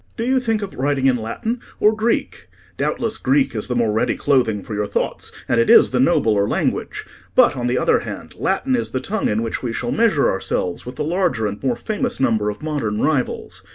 "Do you think of writing in Latin or Greek? Doubtless Greek is the more ready clothing for your thoughts, and it is the nobler language. But, on the other hand, Latin is the tongue in which we shall measure ourselves with the larger and more famous number of modern rivals.